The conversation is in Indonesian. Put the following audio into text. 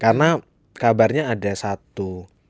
karena kabarnya ada satu